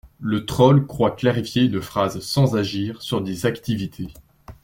Le troll croit clarifier une phrase sans agir sur des activités.